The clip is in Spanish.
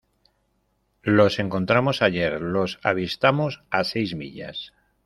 los encontramos ayer. los avistamos a seis millas .